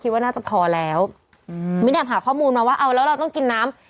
ว่าน่าจะพอแล้วอืมมิ้นแอมหาข้อมูลมาว่าเอาแล้วเราต้องกินน้ำ